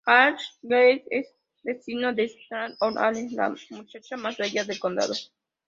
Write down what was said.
Ashley Wilkes es vecino de Scarlett O´Hara, la muchacha más bella del condado.